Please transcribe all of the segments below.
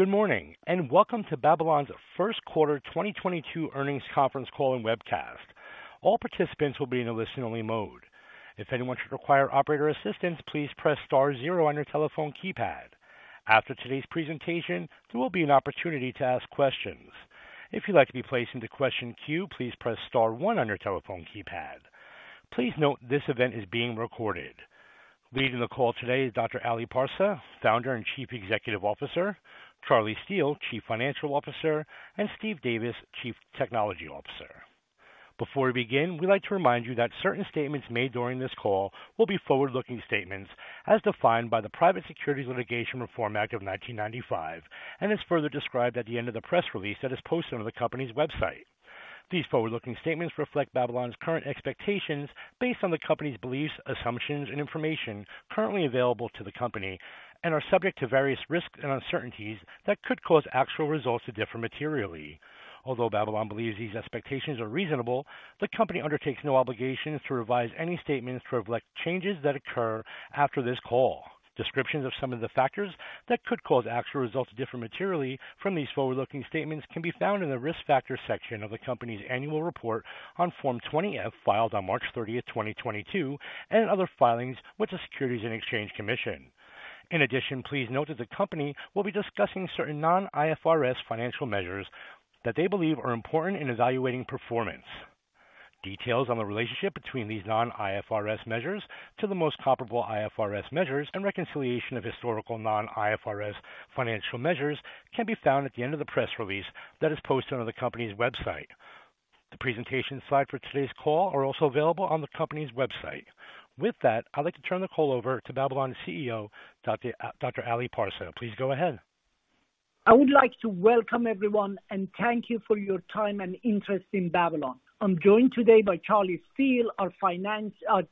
Good morning, and welcome to Babylon's First Quarter 2022 Earnings Conference Call and Webcast. All participants will be in a listen-only mode. If anyone should require operator assistance, please press star zero on your telephone keypad. After today's presentation, there will be an opportunity to ask questions. If you'd like to be placed into question queue, please press star one on your telephone keypad. Please note this event is being recorded. Leading the call today is Dr. Ali Parsa, Founder and Chief Executive Officer, Charlie Steel, Chief Financial Officer, and Steve Davis, Chief Technology Officer. Before we begin, we'd like to remind you that certain statements made during this call will be forward-looking statements as defined by the Private Securities Litigation Reform Act of 1995 and is further described at the end of the press release that is posted on the company's website. These forward-looking statements reflect Babylon's current expectations based on the company's beliefs, assumptions and information currently available to the company and are subject to various risks and uncertainties that could cause actual results to differ materially. Although Babylon believes these expectations are reasonable, the company undertakes no obligation to revise any statements to reflect changes that occur after this call. Descriptions of some of the factors that could cause actual results to differ materially from these forward-looking statements can be found in the Risk Factors section of the company's annual report on Form 20-F, filed on March 30, 2022, and other filings with the Securities and Exchange Commission. In addition, please note that the company will be discussing certain non-IFRS financial measures that they believe are important in evaluating performance. Details on the relationship between these non-IFRS measures and the most comparable IFRS measures and reconciliation of historical non-IFRS financial measures can be found at the end of the press release that is posted on the company's website. The presentation slides for today's call are also available on the company's website. With that, I'd like to turn the call over to Babylon CEO, Dr. Ali Parsa. Please go ahead. I would like to welcome everyone and thank you for your time and interest in Babylon. I'm joined today by Charlie Steel, our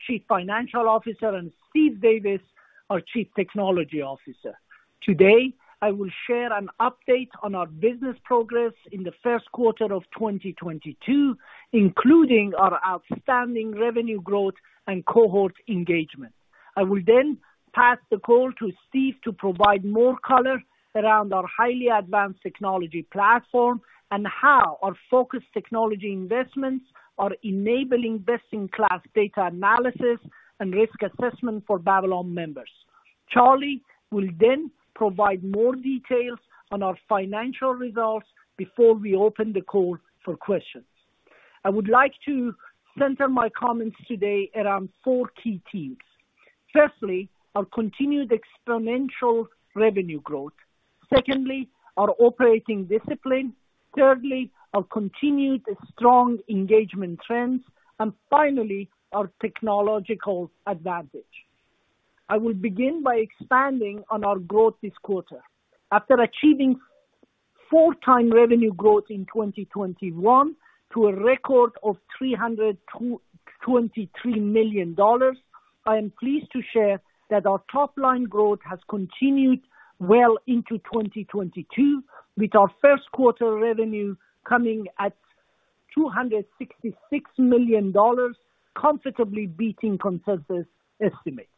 Chief Financial Officer, and Steve Davis, our Chief Technology Officer. Today, I will share an update on our business progress in the first quarter of 2022, including our outstanding revenue growth and cohort engagement. I will then pass the call to Steve to provide more color around our highly advanced technology platform and how our focused technology investments are enabling best-in-class data analysis and risk assessment for Babylon members. Charlie will then provide more details on our financial results before we open the call for questions. I would like to center my comments today around four key themes. Firstly, our continued exponential revenue growth. Secondly, our operating discipline. Thirdly, our continued strong engagement trends. Finally, our technological advantage. I will begin by expanding on our growth this quarter. After achieving 4x revenue growth in 2021 to a record of $323 million, I am pleased to share that our top line growth has continued well into 2022, with our first quarter revenue coming at $266 million, comfortably beating consensus estimates.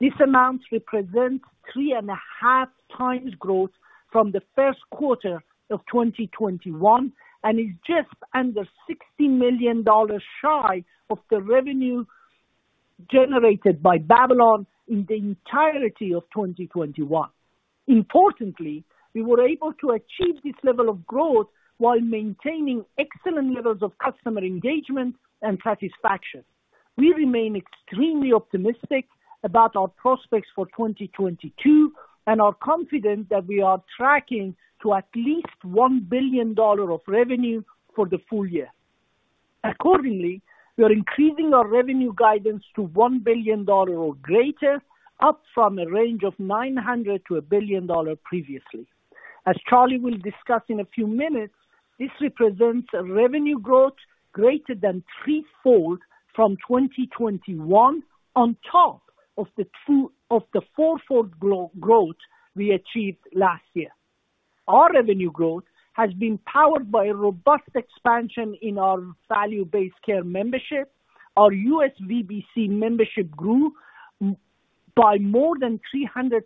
This amount represents 3.5x growth from the first quarter of 2021 and is just under $60 million shy of the revenue generated by Babylon in the entirety of 2021. Importantly, we were able to achieve this level of growth while maintaining excellent levels of customer engagement and satisfaction. We remain extremely optimistic about our prospects for 2022 and are confident that we are tracking to at least $1 billion of revenue for the full year. Accordingly, we are increasing our revenue guidance to $1 billion or greater, up from a range of $900 million-$1 billion previously. As Charlie will discuss in a few minutes, this represents a revenue growth greater than threefold from 2021, on top of the fourfold growth we achieved last year. Our revenue growth has been powered by a robust expansion in our value-based care membership. Our U.S. VBC membership grew by more than 300%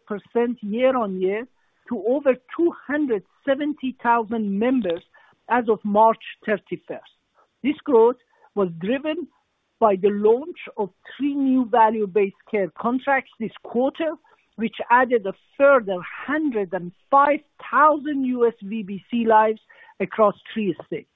year-on-year to over 270,000 members as of March 31. This growth was driven by the launch of three new value-based care contracts this quarter, which added a further 105,000 U.S. VBC lives across three states.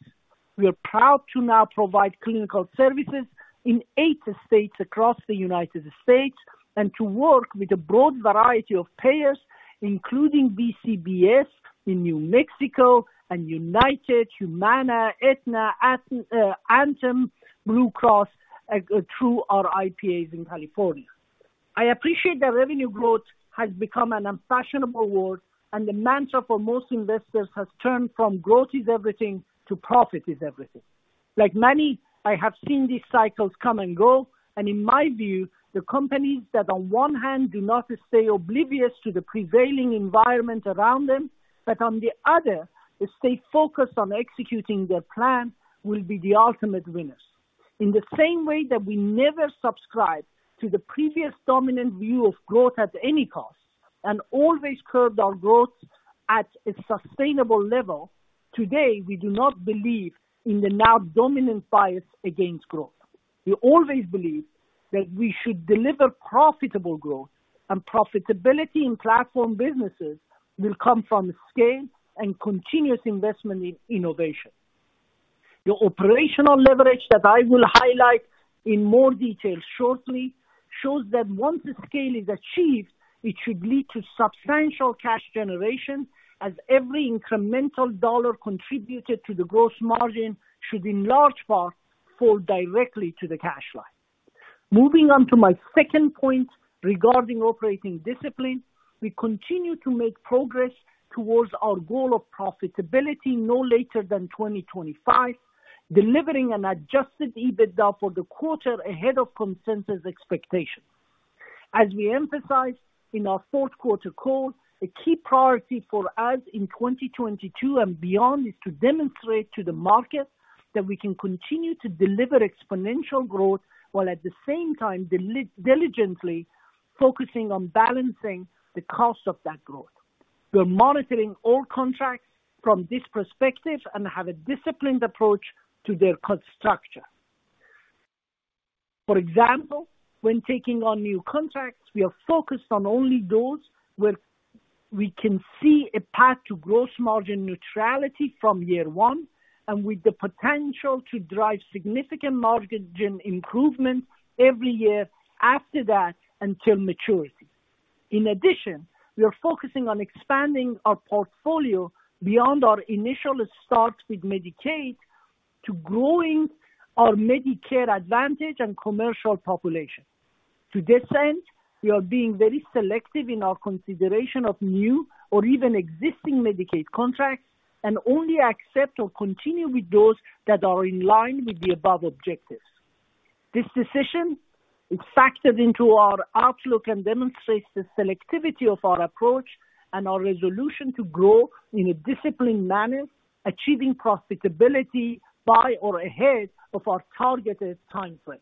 We are proud to now provide clinical services in eight states across the United States and to work with a broad variety of payers, including BCBS in New Mexico and United, Humana, Aetna, and Anthem, Blue Cross, through our IPAs in California. I appreciate that revenue growth has become an unfashionable word, and the mantra for most investors has turned from growth is everything to profit is everything. Like many, I have seen these cycles come and go, and in my view, the companies that on one hand do not stay oblivious to the prevailing environment around them, but on the other stay focused on executing their plan, will be the ultimate winners. In the same way that we never subscribed to the previous dominant view of growth at any cost and always curbed our growth at a sustainable level, today, we do not believe in the now dominant bias against growth. We always believe that we should deliver profitable growth and profitability in platform businesses will come from scale and continuous investment in innovation. The operational leverage that I will highlight in more detail shortly shows that once the scale is achieved, it should lead to substantial cash generation as every incremental dollar contributed to the gross margin should in large part fall directly to the cash line. Moving on to my second point regarding operating discipline, we continue to make progress towards our goal of profitability no later than 2025, delivering an adjusted EBITDA for the quarter ahead of consensus expectations. As we emphasized in our fourth quarter call, the key priority for us in 2022 and beyond is to demonstrate to the market that we can continue to deliver exponential growth while at the same time diligently focusing on balancing the cost of that growth. We're monitoring all contracts from this perspective and have a disciplined approach to their cost structure. For example, when taking on new contracts, we are focused on only those where we can see a path to gross margin neutrality from year one and with the potential to drive significant margin improvements every year after that until maturity. In addition, we are focusing on expanding our portfolio beyond our initial start with Medicaid to growing our Medicare Advantage and commercial population. To this end, we are being very selective in our consideration of new or even existing Medicaid contracts and only accept or continue with those that are in line with the above objectives. This decision is factored into our outlook and demonstrates the selectivity of our approach and our resolution to grow in a disciplined manner, achieving profitability by or ahead of our targeted timeframe.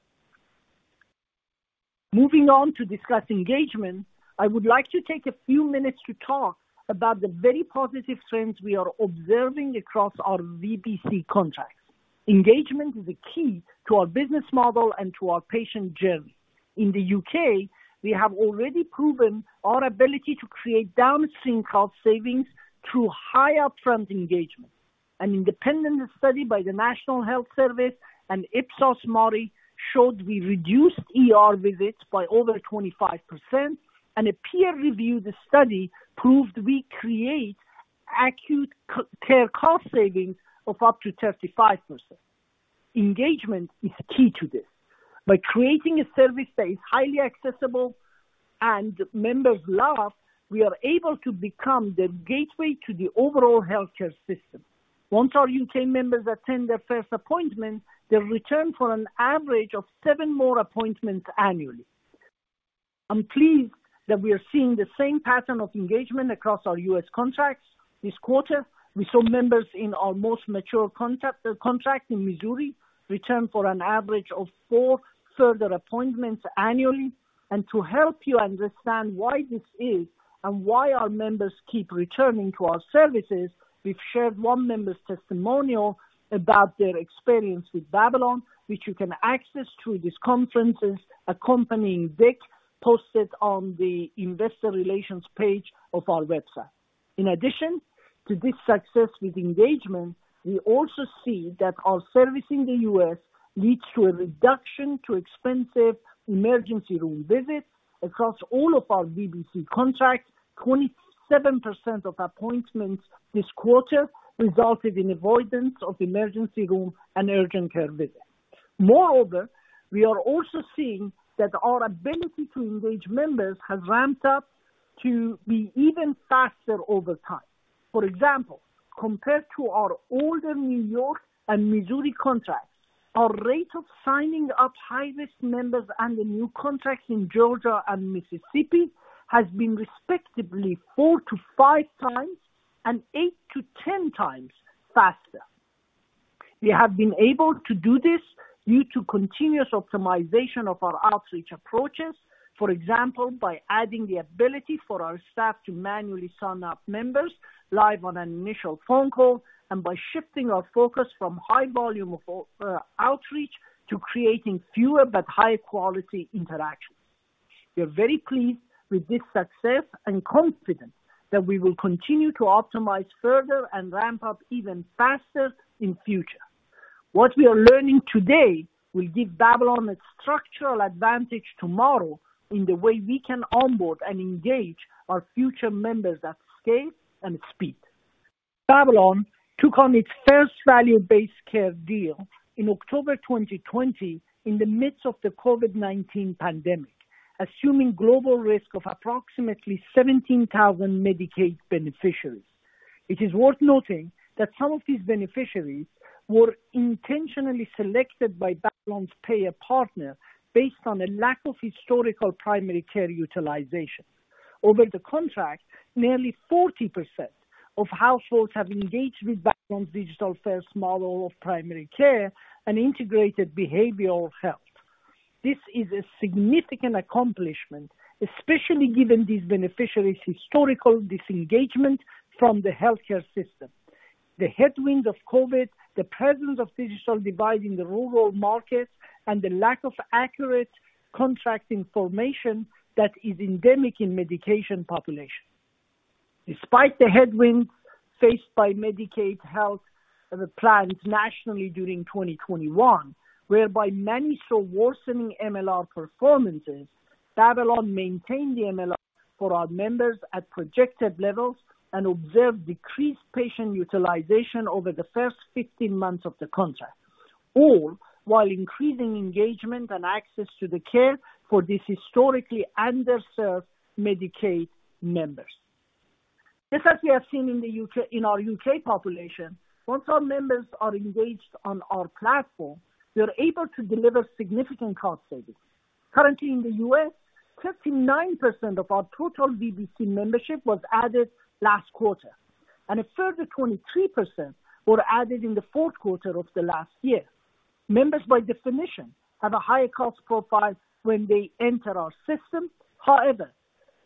Moving on to discuss engagement, I would like to take a few minutes to talk about the very positive trends we are observing across our VBC contracts. Engagement is a key to our business model and to our patient journey. In the U.K., we have already proven our ability to create downstream cost savings through high upfront engagement. An independent study by the National Health Service and Ipsos MORI showed we reduced ER visits by over 25%, and a peer-reviewed study proved we create acute care cost savings of up to 35%. Engagement is key to this. By creating a service that is highly accessible and members love, we are able to become the gateway to the overall healthcare system. Once our U.K. members attend their first appointment, they'll return for an average of seven more appointments annually. I'm pleased that we are seeing the same pattern of engagement across our U.S. contracts this quarter. We saw members in our most mature contract in Missouri return for an average of four further appointments annually. To help you understand why this is and why our members keep returning to our services, we've shared one member's testimonial about their experience with Babylon, which you can access through this conference's accompanying deck posted on the investor relations page of our website. In addition to this success with engagement, we also see that our service in the U.S. leads to a reduction to expensive emergency room visits. Across all of our VBC contracts, 27% of appointments this quarter resulted in avoidance of emergency room and urgent care visits. Moreover, we are also seeing that our ability to engage members has ramped up to be even faster over time. For example, compared to our older New York and Missouri contracts, our rate of signing up high-risk members under new contracts in Georgia and Mississippi has been respectively 4x-5x and 8x-10x faster. We have been able to do this due to continuous optimization of our outreach approaches. For example, by adding the ability for our staff to manually sign up members live on an initial phone call and by shifting our focus from high volume of outreach to creating fewer but high-quality interactions. We are very pleased with this success and confident that we will continue to optimize further and ramp up even faster in future. What we are learning today will give Babylon a structural advantage tomorrow in the way we can onboard and engage our future members at scale and speed. Babylon took on its first value-based care deal in October 2020 in the midst of the COVID-19 pandemic, assuming global risk of approximately 17,000 Medicaid beneficiaries. It is worth noting that some of these beneficiaries were intentionally selected by Babylon's payer partner based on a lack of historical primary care utilization. Over the contract, nearly 40% of households have engaged with Babylon's digital-first model of primary care and integrated behavioral health. This is a significant accomplishment, especially given these beneficiaries' historical disengagement from the healthcare system, the headwinds of COVID, the presence of digital divide in the rural markets, and the lack of accurate contract information that is endemic in Medicaid population. Despite the headwinds faced by Medicaid health plans nationally during 2021, whereby many saw worsening MLR performances, Babylon maintained the MLR for our members at projected levels and observed decreased patient utilization over the first 15 months of the contract, all while increasing engagement and access to the care for these historically underserved Medicaid members. Just as we have seen in the U.K., in our U.K. population, once our members are engaged on our platform, we are able to deliver significant cost savings. Currently in the U.S., 59% of our total VBC membership was added last quarter, and a further 23% were added in the fourth quarter of the last year. Members, by definition, have a higher cost profile when they enter our system. However,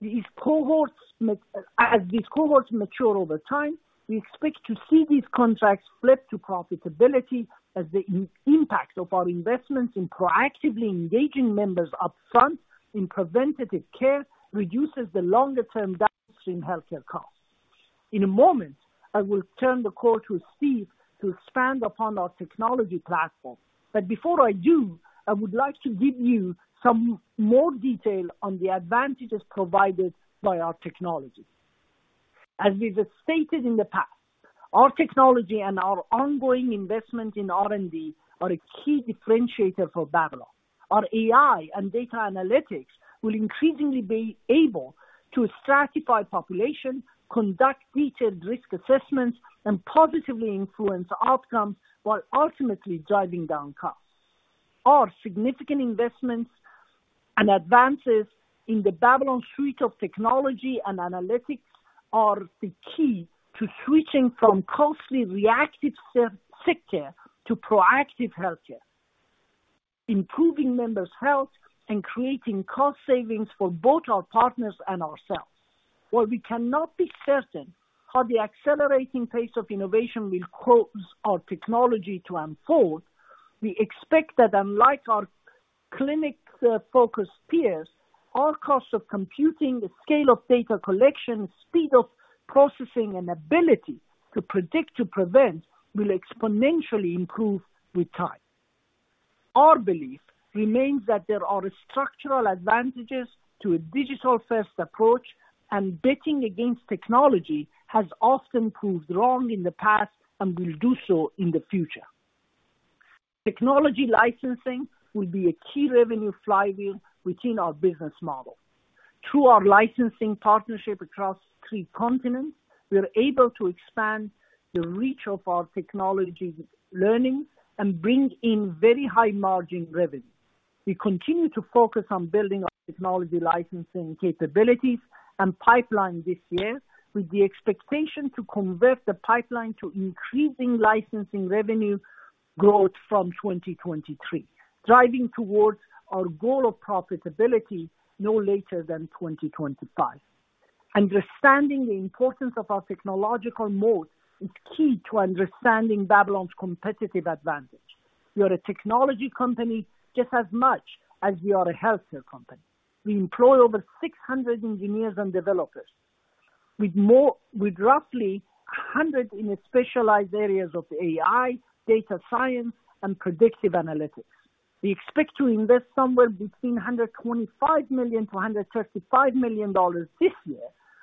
these cohorts mature over time, we expect to see these contracts flip to profitability as the impact of our investments in proactively engaging members upfront in preventative care reduces the longer-term dips in healthcare costs. In a moment, I will turn the call to Steve to expand upon our technology platform. Before I do, I would like to give you some more detail on the advantages provided by our technology. As we have stated in the past, our technology and our ongoing investment in R&D are a key differentiator for Babylon. Our AI and data analytics will increasingly be able to stratify population, conduct detailed risk assessments, and positively influence outcomes while ultimately driving down costs. Our significant investments and advances in the Babylon suite of technology and analytics are the key to switching from costly reactive sick care to proactive healthcare, improving members' health, and creating cost savings for both our partners and ourselves. While we cannot be certain how the accelerating pace of innovation will cause our technology to unfold, we expect that unlike our clinic-focused peers, our costs of computing, the scale of data collection, speed of processing, and ability to predict to prevent will exponentially improve with time. Our belief remains that there are structural advantages to a digital-first approach, and betting against technology has often proved wrong in the past and will do so in the future. Technology licensing will be a key revenue flywheel within our business model. Through our licensing partnership across three continents, we are able to expand the reach of our technology's learning and bring in very high-margin revenue. We continue to focus on building our technology licensing capabilities and pipeline this year with the expectation to convert the pipeline to increasing licensing revenue growth from 2023, driving towards our goal of profitability no later than 2025. Understanding the importance of our technological moat is key to understanding Babylon's competitive advantage. We are a technology company just as much as we are a healthcare company. We employ over 600 engineers and developers with roughly 100 in the specialized areas of AI, data science, and predictive analytics. We expect to invest somewhere between $125 million-$135 million this year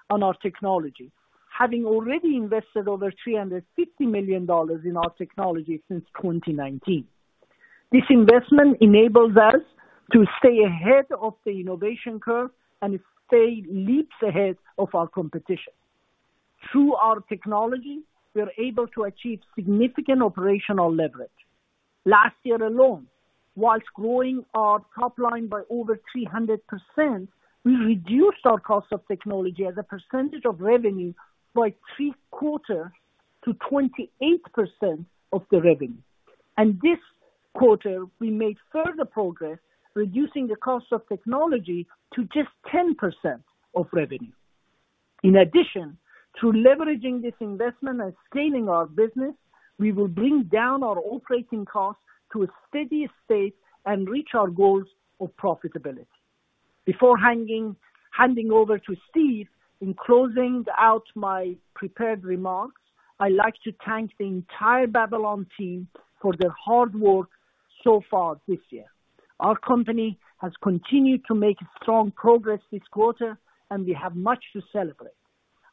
on our technology, having already invested over $350 million in our technology since 2019. This investment enables us to stay ahead of the innovation curve and stay leaps ahead of our competition. Through our technology, we are able to achieve significant operational leverage. Last year alone, while growing our top line by over 300%, we reduced our cost of technology as a percentage of revenue from 75% to 28% of the revenue. This quarter, we made further progress, reducing the cost of technology to just 10% of revenue. In addition, through leveraging this investment and scaling our business, we will bring down our operating costs to a steady state and reach our goals of profitability. Before handing over to Steve, in closing out my prepared remarks, I'd like to thank the entire Babylon team for their hard work so far this year. Our company has continued to make strong progress this quarter, and we have much to celebrate.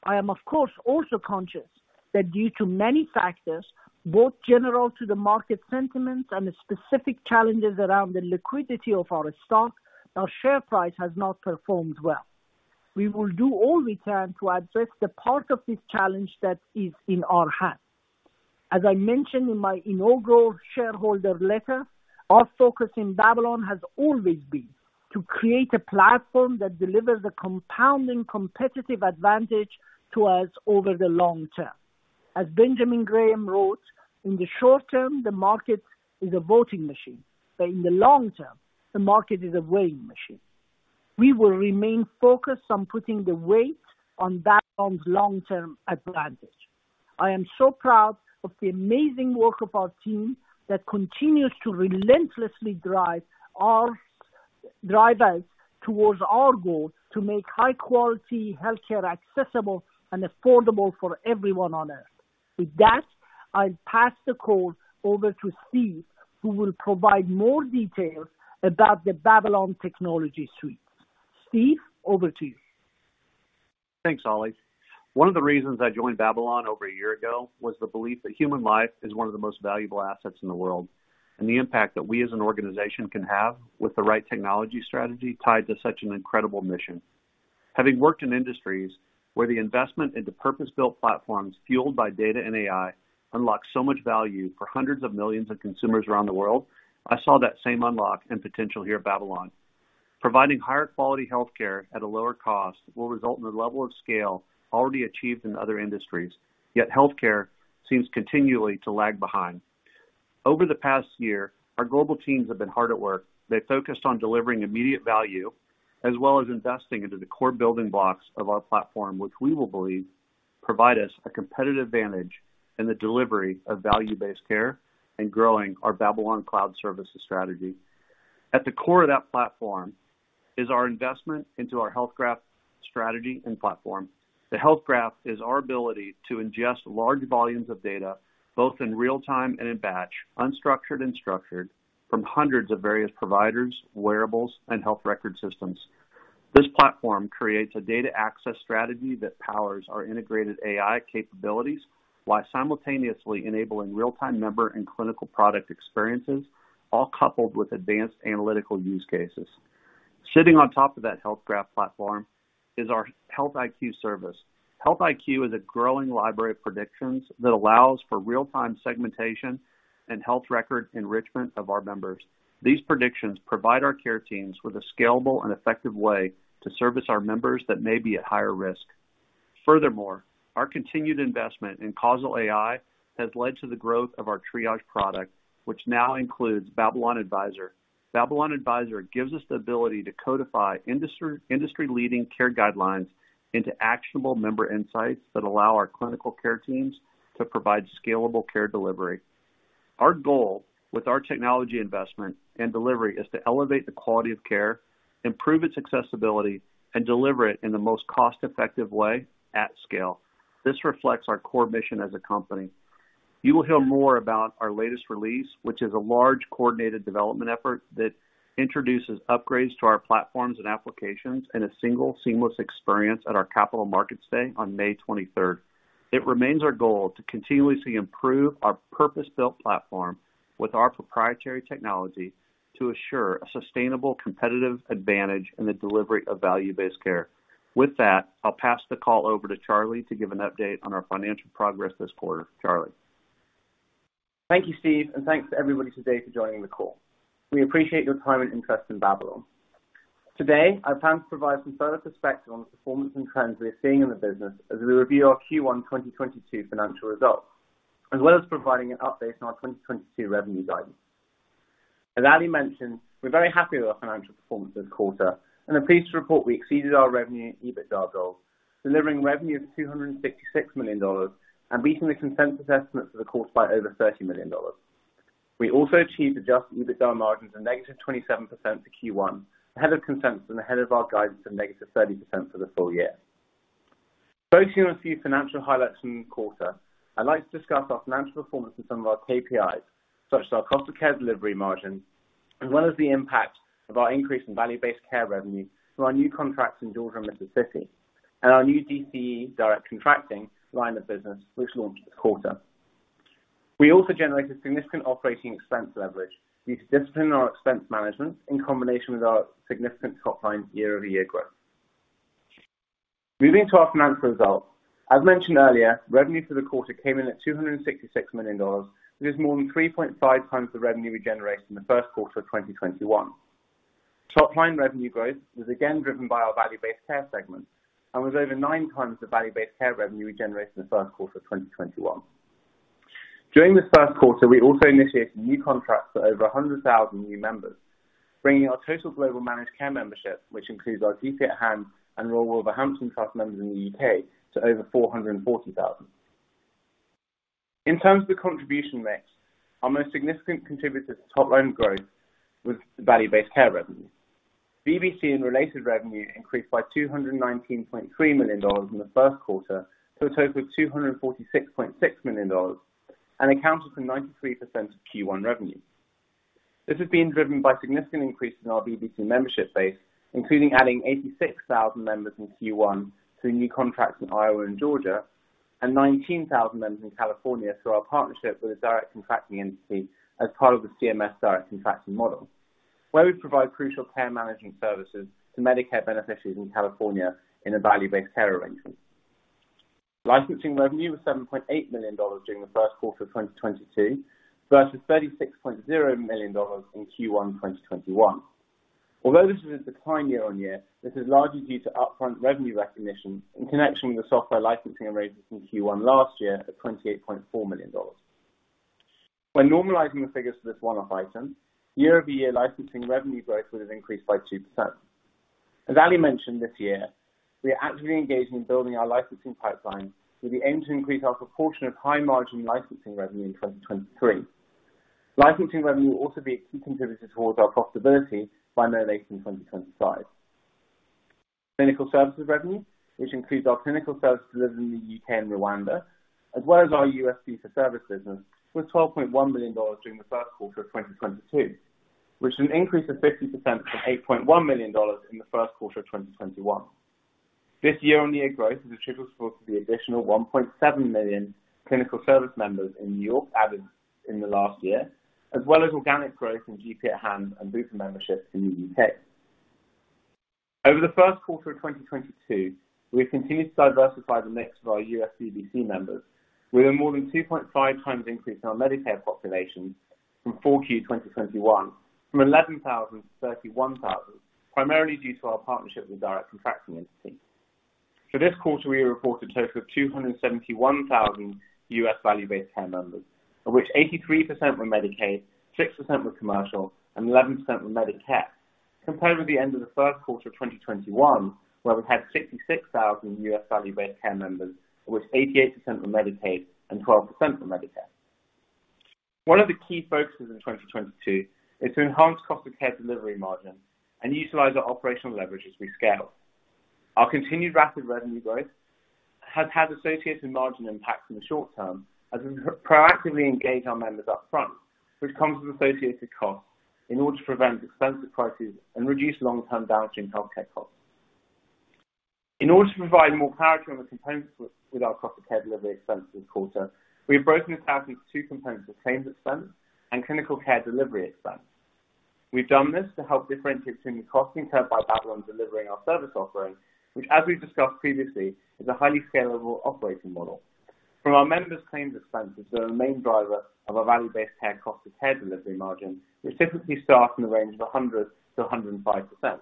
I am, of course, also conscious that due to many factors, both general to the market sentiments and the specific challenges around the liquidity of our stock, our share price has not performed well. We will do all we can to address the part of this challenge that is in our hands. As I mentioned in my inaugural shareholder letter, our focus in Babylon has always been to create a platform that delivers a compounding competitive advantage to us over the long term. As Benjamin Graham wrote, "In the short term, the market is a voting machine, but in the long term, the market is a weighing machine." We will remain focused on putting the weight on Babylon's long-term advantage. I am so proud of the amazing work of our team that continues to relentlessly drive us towards our goal to make high-quality healthcare accessible and affordable for everyone on Earth. With that, I'll pass the call over to Steve, who will provide more details about the Babylon technology suite. Steve, over to you. Thanks, Ali. One of the reasons I joined Babylon over a year ago was the belief that human life is one of the most valuable assets in the world, and the impact that we as an organization can have with the right technology strategy tied to such an incredible mission. Having worked in industries where the investment into purpose-built platforms fueled by data and AI unlock so much value for hundreds of millions of consumers around the world, I saw that same unlock and potential here at Babylon. Providing higher quality healthcare at a lower cost will result in the level of scale already achieved in other industries, yet healthcare seems continually to lag behind. Over the past year, our global teams have been hard at work. They focused on delivering immediate value, as well as investing into the core building blocks of our platform, which we believe will provide us a competitive advantage in the delivery of value-based care and growing our Babylon Cloud Services strategy. At the core of that platform is our investment into our Health Graph strategy and platform. The Health Graph is our ability to ingest large volumes of data, both in real time and in batch, unstructured and structured, from hundreds of various providers, wearables, and health record systems. This platform creates a data access strategy that powers our integrated AI capabilities while simultaneously enabling real-time member and clinical product experiences, all coupled with advanced analytical use cases. Sitting on top of that Health Graph platform is our HealthIQ service. HealthIQ is a growing library of predictions that allows for real-time segmentation and health record enrichment of our members. These predictions provide our care teams with a scalable and effective way to service our members that may be at higher risk. Furthermore, our continued investment in causal AI has led to the growth of our triage product, which now includes Babylon Advisor. Babylon Advisor gives us the ability to codify industry-leading care guidelines into actionable member insights that allow our clinical care teams to provide scalable care delivery. Our goal with our technology investment and delivery is to elevate the quality of care, improve its accessibility, and deliver it in the most cost-effective way at scale. This reflects our core mission as a company. You will hear more about our latest release, which is a large coordinated development effort that introduces upgrades to our platforms and applications in a single seamless experience at our Capital Markets Day on May 23. It remains our goal to continuously improve our purpose-built platform with our proprietary technology to assure a sustainable competitive advantage in the delivery of value-based care. With that, I'll pass the call over to Charlie to give an update on our financial progress this quarter. Charlie. Thank you, Steve, and thanks to everybody today for joining the call. We appreciate your time and interest in Babylon. Today, I plan to provide some further perspective on the performance and trends we are seeing in the business as we review our Q1 2022 financial results, as well as providing an update on our 2022 revenue guidance. As Ali mentioned, we're very happy with our financial performance this quarter and are pleased to report we exceeded our revenue and EBITDA goals, delivering revenue of $266 million and beating the consensus estimates for the quarter by over $30 million. We also achieved adjusted EBITDA margins of -27% for Q1, ahead of consensus and ahead of our guidance of -30% for the full year. For the Q1 financial highlights in the quarter, I'd like to discuss our financial performance and some of our KPIs, such as our cost of care delivery margin, as well as the impact of our increase in value-based care revenue through our new contracts in Georgia and Mississippi, and our new DCE, Direct Contracting line of business, which launched this quarter. We also generated significant operating expense leverage due to discipline on our expense management in combination with our significant top-line year-over-year growth. Moving to our financial results. As mentioned earlier, revenue for the quarter came in at $266 million, which is more than 3.5x the revenue we generated in the first quarter of 2021. Top-line revenue growth was again driven by our value-based care segment and was over nine times the value-based care revenue we generated in the first quarter of 2021. During this first quarter, we also initiated new contracts for over 100,000 new members, bringing our total global managed care membership, which includes our GP at Hand and Royal Wolverhampton NHS Trust members in the U.K., to over 440,000. In terms of the contribution mix, our most significant contributor to top-line growth was value-based care revenue. VBC and related revenue increased by $219.3 million in the first quarter to a total of $246.6 million and accounted for 93% of Q1 revenue. This has been driven by significant increases in our VBC membership base, including adding 86,000 members in Q1 through new contracts in Iowa and Georgia and 19,000 members in California through our partnership with a direct contracting entity as part of the CMS Direct Contracting model. Where we provide crucial care management services to Medicare beneficiaries in California in a value-based care arrangement. Licensing revenue was $7.8 million during the first quarter of 2022, versus $36.0 million in Q1 2021. Although this is a decline year-over-year, this is largely due to upfront revenue recognition in connection with the software licensing arrangement in Q1 last year of $28.4 million. When normalizing the figures for this one-off item, year-over-year licensing revenue growth would have increased by 2%. As Ali mentioned this year, we are actively engaged in building our licensing pipeline with the aim to increase our proportion of high margin licensing revenue in 2023. Licensing revenue will also be a key contributor towards our profitability by mid-2025. Clinical services revenue, which includes our clinical services delivered in the U.K. and Rwanda, as well as our U.S. fee-for-service business, was $12.1 million during the first quarter of 2022, which is an increase of 50% from $8.1 million in the first quarter of 2021. This year-on-year growth is attributable to the additional 1.7 million clinical service members in New York added in the last year, as well as organic growth in GP at Hand and Bupa memberships in the U.K. Over the first quarter of 2022, we have continued to diversify the mix of our U.S. VBC members. We are more than 2.5x increase in our Medicaid population from 4Q 2021, 11,000 to 31,000, primarily due to our partnership with Direct Contracting entities. For this quarter, we report a total of 271,000 U.S. value-based care members, of which 83% were Medicaid, 6% were commercial, and 11% were Medicare. Compared with the end of the first quarter of 2021, where we had 66,000 U.S. value-based care members, of which 88% were Medicaid and 12% were Medicare. One of the key focuses in 2022 is to enhance cost of care delivery margin and utilize our operational leverage as we scale. Our continued rapid revenue growth has had associated margin impacts in the short term as we proactively engage our members up front, which comes with associated costs in order to prevent expensive crises and reduce long-term downstream healthcare costs. In order to provide more clarity on the components with our cost of care delivery expense this quarter, we have broken this out into two components of claims expense and clinical care delivery expense. We've done this to help differentiate any costs incurred by Babylon delivering our service offerings, which as we've discussed previously, is a highly scalable operating model. Our members' claims expenses are the main driver of our value-based care cost of care delivery margin, which typically start in the range of 100%-105%.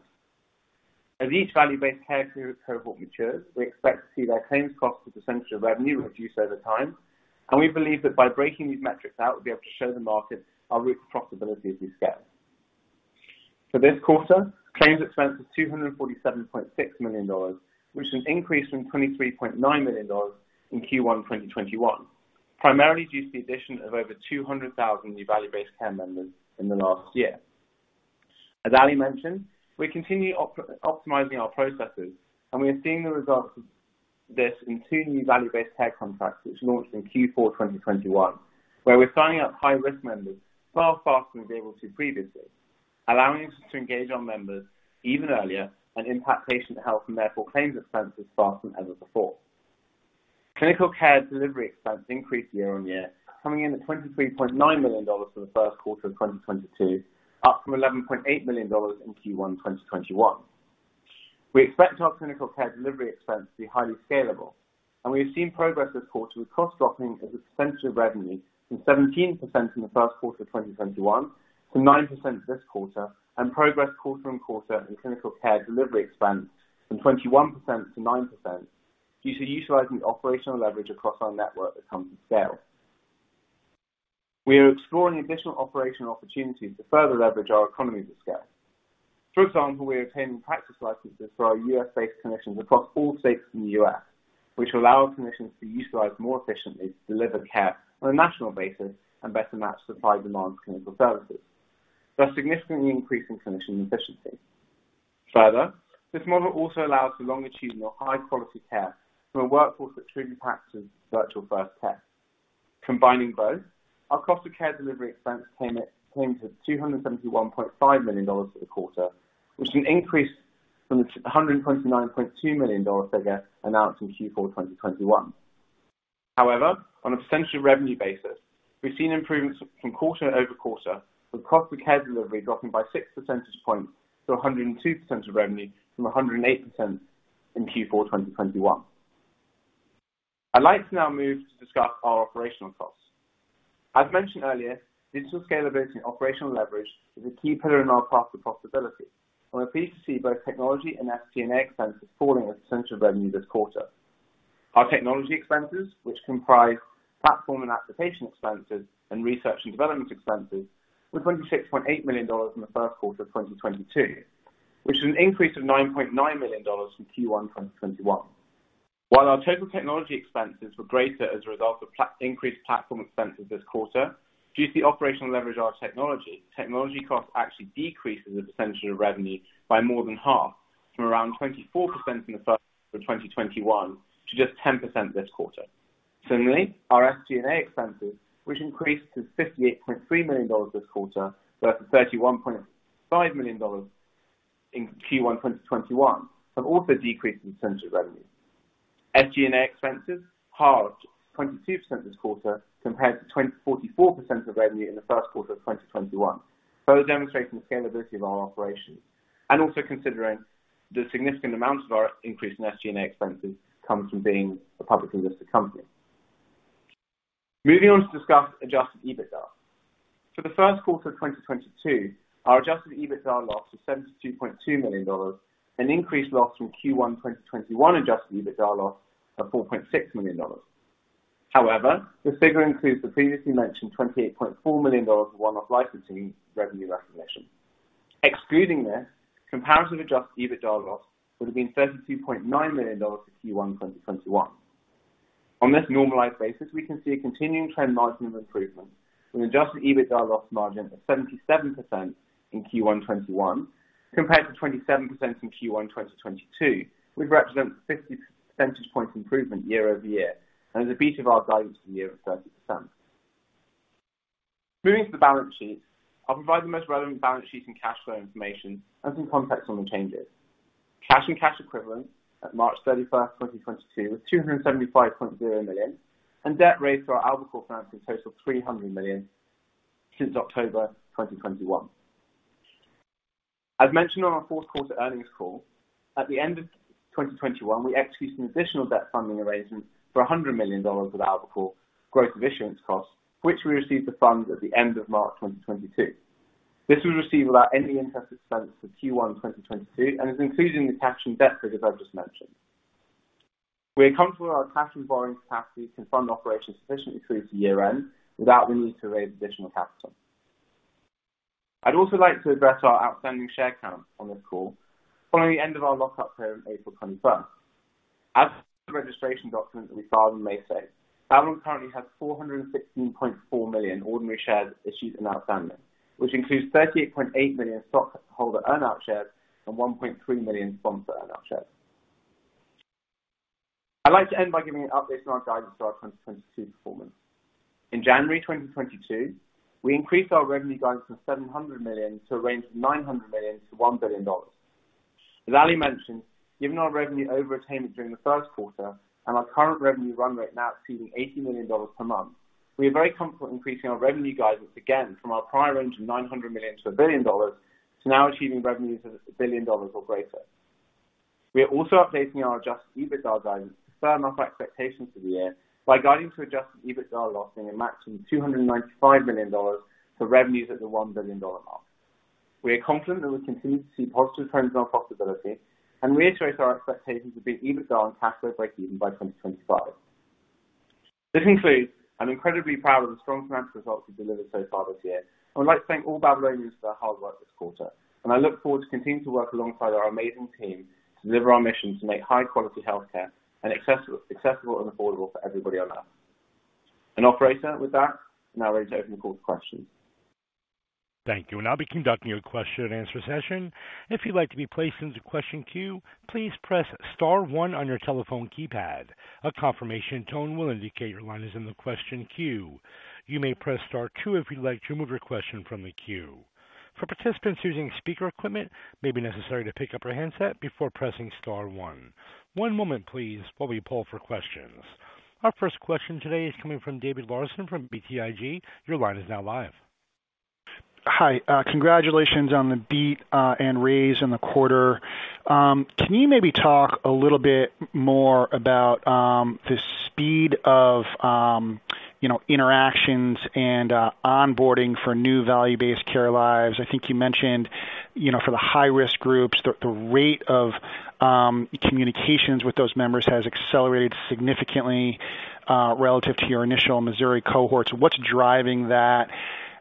As each value-based care cohort matures, we expect to see their claims cost as a percentage of revenue reduce over time, and we believe that by breaking these metrics out, we'll be able to show the market our route to profitability as we scale. For this quarter, claims expense was $247.6 million, which is an increase from $23.9 million in Q1 2021, primarily due to the addition of over 200,000 new value-based care members in the last year. As Ali mentioned, we're continually optimizing our processes, and we are seeing the results of this in two new value-based care contracts which launched in Q4 2021, where we're signing up high-risk members far faster than we were able to previously, allowing us to engage our members even earlier and impact patient health and therefore claims expenses faster than ever before. Clinical care delivery expense increased year-on-year, coming in at $23.9 million for the first quarter of 2022, up from $11.8 million in Q1 2021. We expect our clinical care delivery expense to be highly scalable, and we have seen progress this quarter with costs dropping as a percentage of revenue from 17% in the first quarter of 2021 to 9% this quarter, and progress quarter-over-quarter in clinical care delivery expense from 21% to 9% due to utilizing operational leverage across our network that comes with scale. We are exploring additional operational opportunities to further leverage our economies of scale. For example, we are obtaining practice licenses for our U.S.-based clinicians across all states in the U.S., which allow our clinicians to be utilized more efficiently to deliver care on a national basis and better match supply and demand for clinical services, thus significantly increasing clinician efficiency. Further, this model also allows for longer treatment or high-quality care from a workforce that truly practices virtual first care. Combining both, our cost of care delivery expense came to $271.5 million for the quarter, which is an increase from a $129.2 million figure announced in Q4 2021. However, on a percentage revenue basis, we've seen improvements from quarter-over-quarter, with cost of care delivery dropping by 6 percentage points to 102% of revenue from 108% in Q4 2021. I'd like to now move to discuss our operational costs. As mentioned earlier, digital scalability and operational leverage is a key pillar in our path to profitability, and we're pleased to see both technology and SG&A expenses falling as a percentage of revenue this quarter. Our technology expenses, which comprise platform and application expenses and research and development expenses, were $26.8 million in the first quarter of 2022, which is an increase of $9.9 million from Q1 2021. While our total technology expenses were greater as a result of increased platform expenses this quarter, due to the operational leverage of our technology costs actually decreased as a percentage of revenue by more than half from around 24% in the first quarter of 2021 to just 10% this quarter. Similarly, our SG&A expenses, which increased to $58.3 million this quarter versus $31.5 million in Q1 2021, have also decreased as a percentage of revenue. SG&A expenses halved to 22% this quarter compared to 44% of revenue in the first quarter of 2021. Both demonstrating the scalability of our operations and also considering the significant amount of our increase in SG&A expenses comes from being a publicly listed company. Moving on to discuss adjusted EBITDA. For the first quarter of 2022, our adjusted EBITDA loss was $72.2 million, an increased loss from Q1 2021 adjusted EBITDA loss of $4.6 million. However, this figure includes the previously mentioned $28.4 million one-off licensing revenue recognition. Excluding this, comparative adjusted EBITDA loss would have been $32.9 million to Q1 2021. On this normalized basis, we can see a continuing trend margin of improvement from an adjusted EBITDA loss margin of 77% in Q1 2021, compared to 27% in Q1 2022, which represents 50 percentage points improvement year-over-year, and is a beat of our guidance for the year of 30%. Moving to the balance sheet. I'll provide the most relevant balance sheet and cash flow information and some context on the changes. Cash and cash equivalents at March 31, 2022 was $275.0 million, and debt raised through our AlbaCore facilities totaled $300 million since October 2021. As mentioned on our fourth quarter earnings call, at the end of 2021, we executed an additional debt funding arrangement for $100 million from AlbaCore to cover growth of insurance costs, which we received the funds at the end of March 2022. This was received without any interest expense for Q1 2022, and is included in the cash and debt figures I've just mentioned. We are comfortable our cash and borrowing capacity can fund operations sufficiently through to year end without the need to raise additional capital. I'd also like to address our outstanding share count on this call following the end of our lock-up period April 21. As the registration documents that we filed on May 6, Babylon currently has 416.4 million ordinary shares issued and outstanding. Which includes 38.8 million stockholder earn-out shares and 1.3 million sponsor earn-out shares. I'd like to end by giving an update on our guidance for our 2022 performance. In January 2022, we increased our revenue guidance from $700 million to a range of $900 million-$1 billion. As Ali mentioned, given our revenue over attainment during the first quarter and our current revenue run rate now exceeding $80 million per month, we are very comfortable increasing our revenue guidance again from our prior range of $900 million-$1 billion to now achieving revenues of $1 billion or greater. We are also updating our adjusted EBITDA guidance to firm up our expectations for the year by guiding to adjusted EBITDA loss being a maximum $295 million to revenues at the $1 billion mark. We are confident that we continue to see positive trends in our profitability and reiterate our expectations of being EBITDA and cash flow break even by 2025. This concludes. I'm incredibly proud of the strong financial results we've delivered so far this year, and I'd like to thank all Babylonians for their hard work this quarter. I look forward to continuing to work alongside our amazing team to deliver our mission to make high quality healthcare accessible, and affordable for everybody on earth. Operator, with that, we're now ready to open the call to questions. Thank you. We'll now be conducting a question and answer session. If you'd like to be placed into question queue, please press star one on your telephone keypad. A confirmation tone will indicate your line is in the question queue. You may press star two if you'd like to remove your question from the queue. For participants using speaker equipment, it may be necessary to pick up your handset before pressing star one. One moment please while we poll for questions. Our first question today is coming from David Larsen from BTIG. Your line is now live. Hi. Congratulations on the beat and raise in the quarter. Can you maybe talk a little bit more about the speed of you know, interactions and onboarding for new value-based care lives? I think you mentioned, you know, for the high-risk groups, the rate of communications with those members has accelerated significantly relative to your initial Missouri cohorts. What's driving that?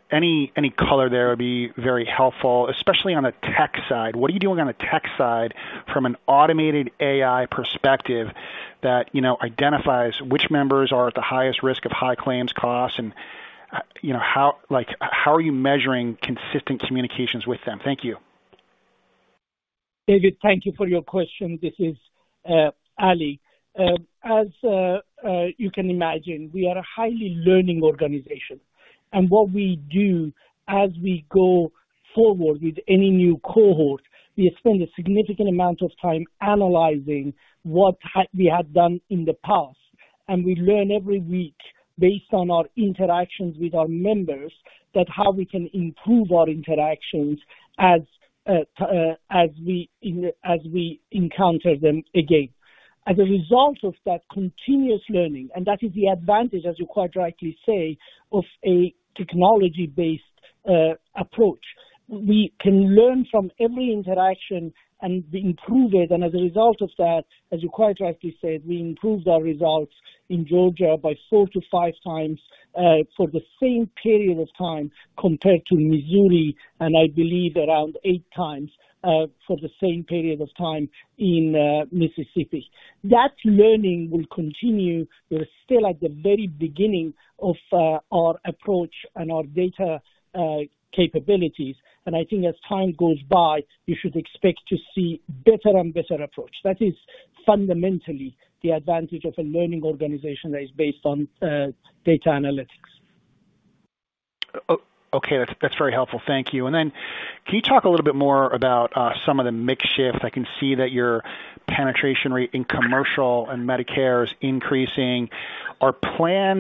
Any color there would be very helpful, especially on the tech side. What are you doing on the tech side from an automated AI perspective that you know, identifies which members are at the highest risk of high claims costs and you know, how, like, how are you measuring consistent communications with them? Thank you. David, thank you for your question. This is Ali. As you can imagine, we are a highly learning organization, and what we do as we go forward with any new cohort, we spend a significant amount of time analyzing what we had done in the past, and we learn every week based on our interactions with our members that how we can improve our interactions as we encounter them again. As a result of that continuous learning, and that is the advantage, as you quite rightly say, of a technology-based approach. We can learn from every interaction and we improve it, and as a result of that, as you quite rightly said, we improved our results in Georgia by 4x-5x for the same period of time compared to Missouri, and I believe around 8x for the same period of time in Mississippi. That learning will continue. We're still at the very beginning of our approach and our data capabilities. I think as time goes by, you should expect to see better and better approach. That is fundamentally the advantage of a learning organization that is based on data analytics. Oh, okay. That's very helpful. Thank you. Can you talk a little bit more about some of the mix shift? I can see that your penetration rate in commercial and Medicare is increasing. Can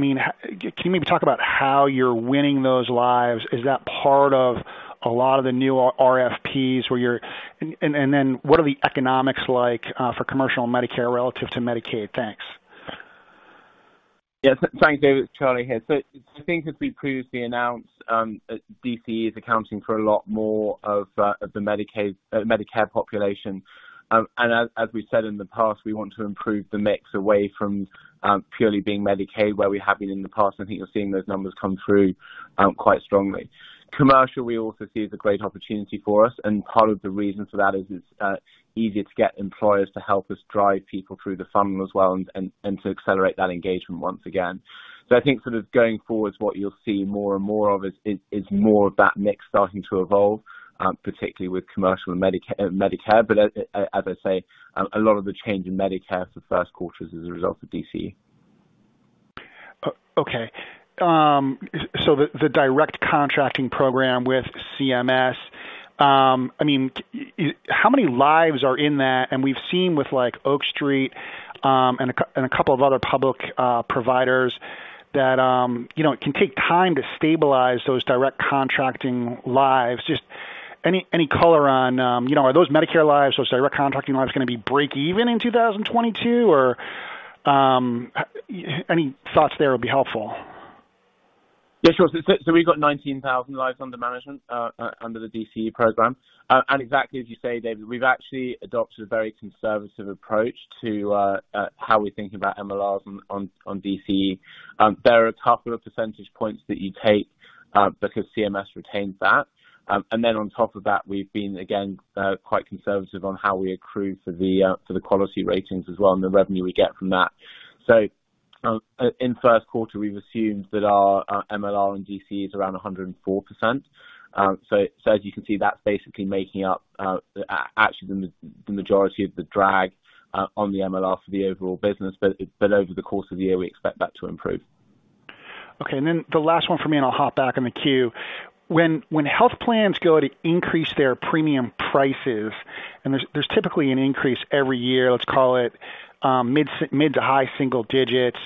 you maybe talk about how you're winning those lives? Is that part of a lot of the new RFPs? What are the economics like for commercial, Medicare relative to Medicaid? Thanks. Yeah. Thanks, David. It's Charlie here. I think as we previously announced, that DCE is accounting for a lot more of the Medicare population. As we said in the past, we want to improve the mix away from purely being Medicaid where we have been in the past, and I think you're seeing those numbers come through quite strongly. Commercial, we also see as a great opportunity for us, and part of the reason for that is it's easier to get employers to help us drive people through the funnel as well, and to accelerate that engagement once again. I think going forward is what you'll see more and more of is more of that mix starting to evolve, particularly with commercial and Medicaid. As I say, a lot of the change in Medicare for first quarter is as a result of DCE. Okay. The Direct Contracting program with CMS, I mean, you, how many lives are in that? We've seen with like Oak Street Health and a couple of other public providers that, you know, it can take time to stabilize those Direct Contracting lives. Just any color on, you know, are those Medicare lives or Direct Contracting lives gonna be breakeven in 2022? Or, any thoughts there would be helpful. Yeah, sure. We've got 19,000 lives under management under the DCE program. Exactly as you say, David, we've actually adopted a very conservative approach to how we're thinking about MLRs on DCE. There are a couple of percentage points that you take because CMS retains that. On top of that, we've been again quite conservative on how we accrue for the quality ratings as well, and the revenue we get from that. In first quarter, we've assumed that our MLR on DCE is around 104%. As you can see, that's basically making up actually the majority of the drag on the MLR for the overall business. Over the course of the year, we expect that to improve. Okay. The last one for me, and I'll hop back on the queue. When health plans go to increase their premium prices, and there's typically an increase every year, let's call it, mid- to high-single digits.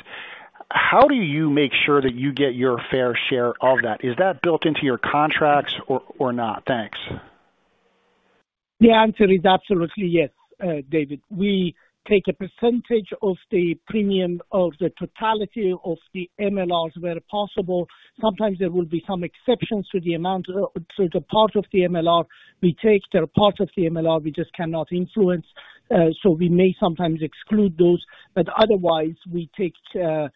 How do you make sure that you get your fair share of that? Is that built into your contracts or not? Thanks. The answer is absolutely yes, David. We take a percentage of the premium of the totality of the MLRs where possible. Sometimes there will be some exceptions to the amount. The part of the MLR we take, there are parts of the MLR we just cannot influence, so we may sometimes exclude those. Otherwise, we take the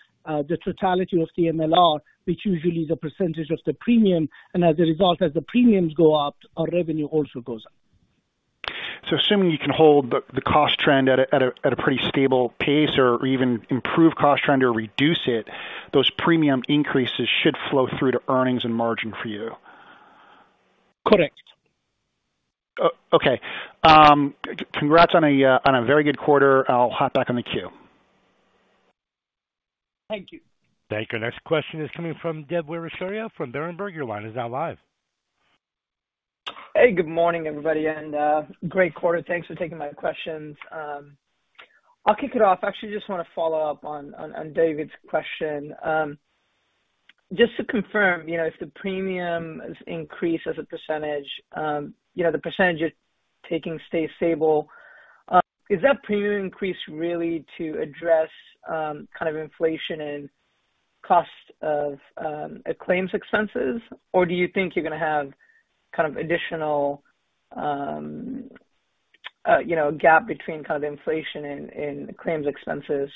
totality of the MLR, which usually is a percentage of the premium. As a result, as the premiums go up, our revenue also goes up. Assuming you can hold the cost trend at a pretty stable pace or even improve cost trend or reduce it, those premium increases should flow through to earnings and margin for you. Correct. Okay. Congrats on a very good quarter. I'll hop back on the queue. Thank you. Thank you. Next question is coming from Dev Weerasuriya from Berenberg. Your line is now live. Hey, good morning, everybody, and great quarter. Thanks for taking my questions. I'll kick it off. I actually just wanna follow up on David's question. Just to confirm, you know, if the premium is increased as a percentage, you know, the percentage you're taking stays stable. Is that premium increase really to address kind of inflation and cost of claims expenses? Or do you think you're gonna have kind of additional, you know, gap between kind of inflation and claims expenses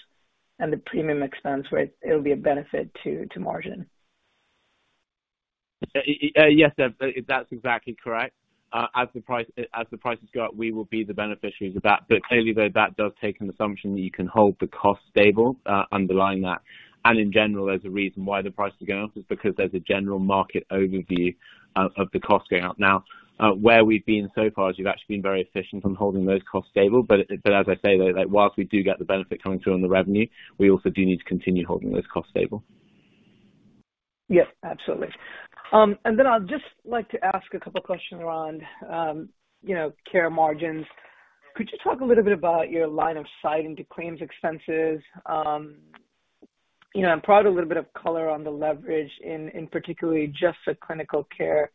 and the premium expense where it'll be a benefit to margin? Yes, Dev. That's exactly correct. As the prices go up, we will be the beneficiaries of that. Clearly, though, that does take an assumption that you can hold the cost stable, underlying that. In general, there's a reason why the prices are going up, is because there's a general market overview of the costs going up. Now, where we've been so far is we've actually been very efficient from holding those costs stable. As I say, like, while we do get the benefit coming through on the revenue, we also do need to continue holding those costs stable. Yes, absolutely. I'd just like to ask a couple questions around, you know, care margins. Could you talk a little bit about your line of sight into claims expenses? You know, provide a little bit of color on the leverage in particularly just the clinical care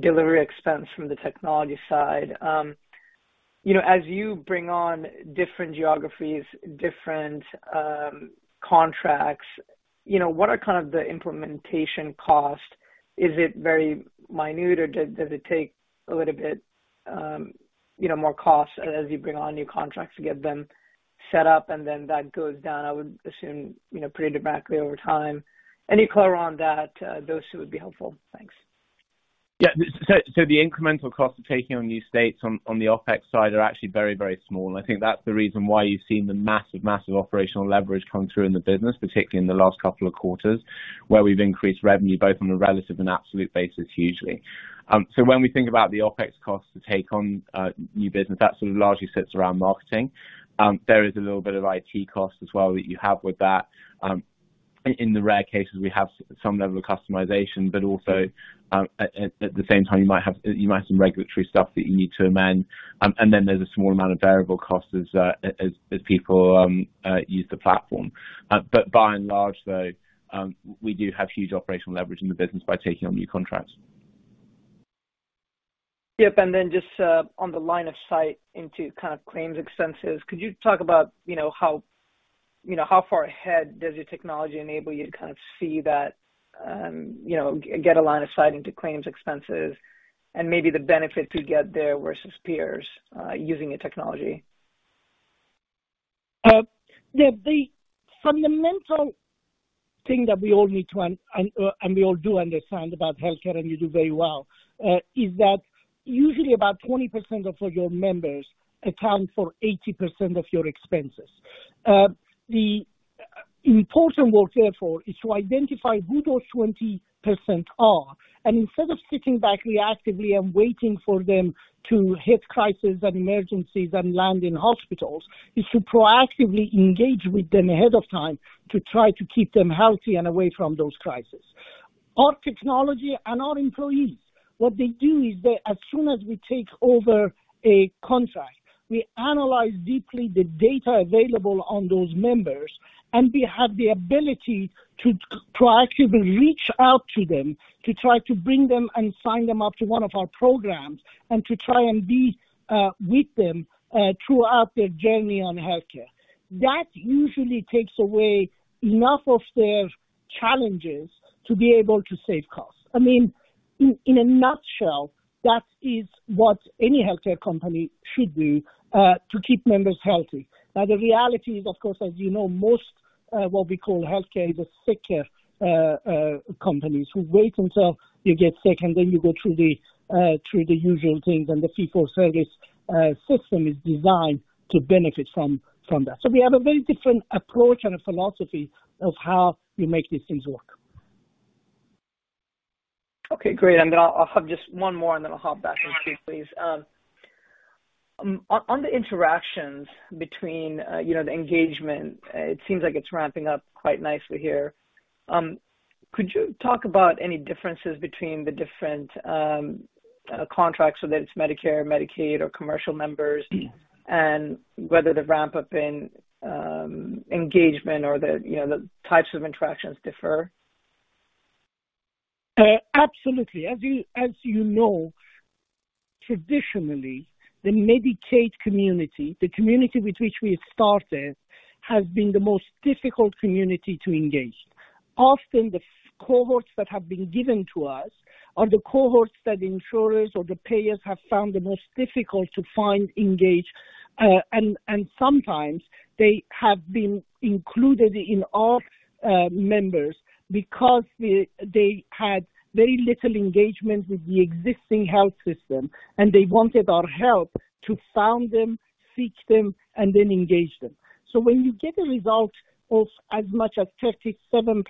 delivery expense from the technology side. You know, as you bring on different geographies, different contracts, you know, what are kind of the implementation costs? Is it very minute or does it take a little bit, you know, more costs as you bring on new contracts to get them set up and then that goes down, I would assume, you know, pretty dramatically over time? Any color on that, those two would be helpful. Thanks. Yeah. The incremental cost of taking on new states on the OpEx side are actually very small. I think that's the reason why you've seen the massive operational leverage come through in the business, particularly in the last couple of quarters, where we've increased revenue both on a relative and absolute basis hugely. When we think about the OpEx costs to take on new business, that sort of largely sits around marketing. There is a little bit of IT cost as well that you have with that. In the rare cases, we have some level of customization, but also, at the same time, you might have some regulatory stuff that you need to amend. There's a small amount of variable costs as people use the platform. By and large, though, we do have huge operational leverage in the business by taking on new contracts. Yep. Just on the line of sight into kind of claims expenses, could you talk about, you know, how, you know, how far ahead does your technology enable you to kind of see that, you know, get a line of sight into claims expenses and maybe the benefit to get there versus peers using your technology? The fundamental thing that we all need to understand, and we all do understand about healthcare, and you do very well, is that usually about 20% of all your members account for 80% of your expenses. The important work, therefore, is to identify who those 20% are, and instead of sitting back reactively and waiting for them to hit crisis and emergencies and land in hospitals, is to proactively engage with them ahead of time to try to keep them healthy and away from those crises. Our technology and our employees, what they do is they as soon as we take over a contract, we analyze deeply the data available on those members, and we have the ability to proactively reach out to them, to try to bring them and sign them up to one of our programs and to try and be with them throughout their journey on healthcare. That usually takes away enough of their challenges to be able to save costs. I mean, in a nutshell, that is what any healthcare company should do to keep members healthy. Now, the reality is, of course, as you know, most what we call healthcare is a sick care companies who wait until you get sick and then you go through the usual things, and the fee-for-service system is designed to benefit from that. We have a very different approach and a philosophy of how we make these things work. Okay, great. I'm gonna I'll have just one more, and then I'll hop back in the queue, please. On the interactions between, you know, the engagement, it seems like it's ramping up quite nicely here. Could you talk about any differences between the different contracts, whether it's Medicare, Medicaid or commercial members, and whether the ramp up in engagement or the, you know, the types of interactions differ? Absolutely. As you know, traditionally, the Medicaid community, the community with which we started, has been the most difficult community to engage. Often the cohorts that have been given to us are the cohorts that insurers or the payers have found the most difficult to find, engage, and sometimes they have been included in our members because they had very little engagement with the existing health system, and they wanted our help to find them, seek them and then engage them. When you get a result of as much as 37%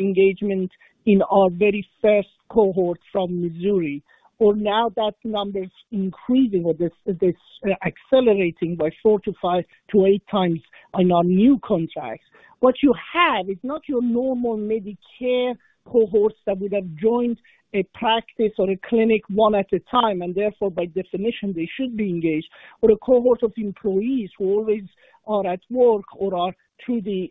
engagement in our very first cohort from Missouri, or now that number is increasing or it's accelerating by 4x to 5x to 8x on our new contracts. What you have is not your normal Medicare cohorts that would have joined a practice or a clinic one at a time, and therefore, by definition, they should be engaged, but a cohort of employees who always are at work or are through the